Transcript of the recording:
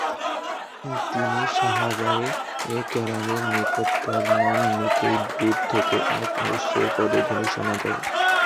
তিনি সাহাবায়ে কেরামের নিকট তার নাম নিতেই দূর থেকে এক অশ্বের পদধ্বনি শোনা যায়।